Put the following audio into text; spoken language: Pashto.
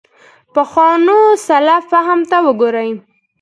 پخوانو سلف فهم ته وګورو.